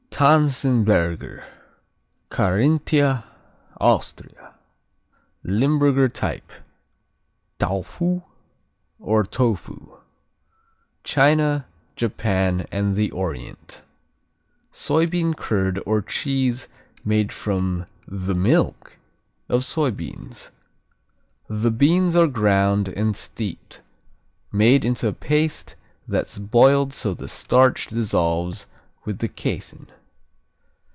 Tanzenberger Carinthia, Austria Limburger type. Tao foo or Tofu China, Japan, the Orient Soybean curd or cheese made from the "milk" of soybeans. The beans are ground and steeped, made into a paste that's boiled so the starch dissolves with the casein.